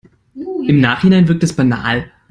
Im Nachhinein wirkt es banal.